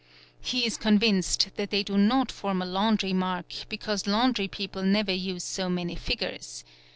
He is convinced that they do not form a laundry mark, because laundry people never use so many figures.